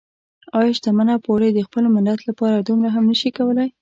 ايا شتمنه پوړۍ د خپل ملت لپاره دومره هم نشي کولای؟